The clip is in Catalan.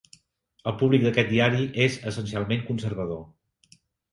El públic d'aquest diari és essencialment conservador.